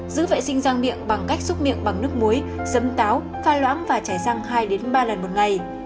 giữ vệ sinh răng miệng bằng cách xúc miệng bằng nước muối giấm táo pha loãng và chảy răng hai ba lần một ngày